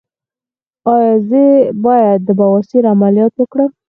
ایا زه باید د بواسیر عملیات وکړم؟